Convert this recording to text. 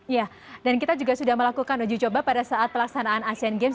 ya dan kita juga sudah melakukan uji coba pada saat pelaksanaan asian games